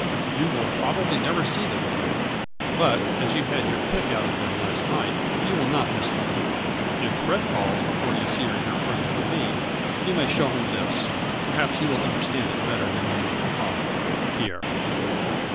You will probably never see them again, but, as you had your pick out of them last night, you will not miss them. If Fred calls, before you see or hear further from me, you may show him this. Perhaps he will understand it better than you or father. Pierre.